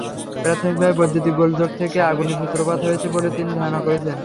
প্রাথমিকভাবে বৈদ্যুতিক গোলযোগ থেকে আগুনের সূত্রপাত হয়েছে বলে তিনি ধারণা করছেন।